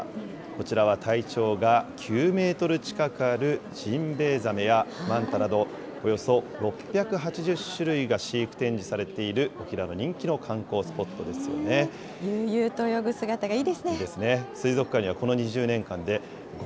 こちらは体長が９メートル近くあるジンベエザメやマンタなど、およそ６８０種類が飼育展示されている沖縄の人気の観光スポット悠々と泳ぐ姿がいいですね。